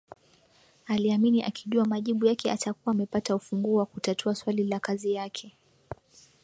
Aliamini akijua majibu yake atakuwa amepata ufunguo wa kutatua swali la kazi yake